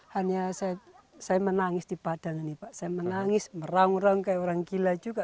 hanya saya menangis di padang ini pak saya menangis merang kayak orang gila juga